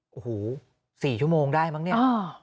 โอ้โห๔ชั่วโมงได้มั้งเนี่ย